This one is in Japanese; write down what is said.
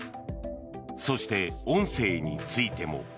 そして、音声についても。